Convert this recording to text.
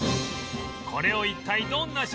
これを一体どんな商品に